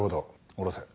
下ろせ。